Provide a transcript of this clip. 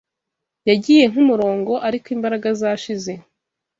Yagiye nk'umurongo ariko imbaraga zashize